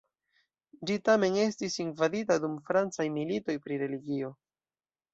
Ĝi tamen estis invadita dum francaj militoj pri religio.